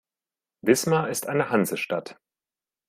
Wismar ist eine Hansestadt.